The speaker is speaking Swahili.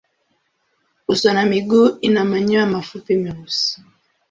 Uso na miguu ina manyoya mafupi meusi.